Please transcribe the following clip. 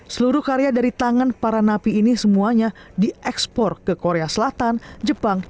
seluruh karya dari tangan para napi ini semuanya diekspor ke korea selatan jepang